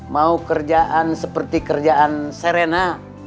mau kerjaan seperti kerjaan serena